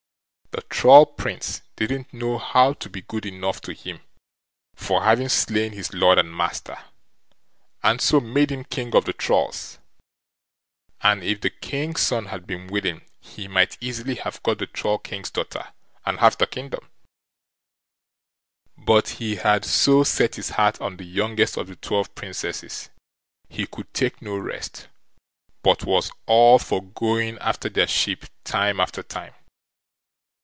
The Troll Prince didn't know how to be good enough to him for having slain his Lord and Master, and so made him King of the Trolls, and if the King's son had been willing he might easily have got the Troll King's daughter, and half the kingdom. But he had so set his heart on the youngest of the twelve Princesses, he could take no rest, but was all for going after their ship time after time.